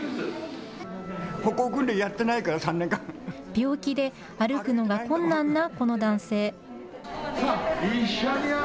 病気で歩くのが困難なこの男性。